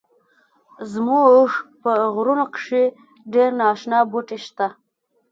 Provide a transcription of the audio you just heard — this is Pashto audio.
زمونږ په غرونو کښی ډیر ناشنا بوټی شته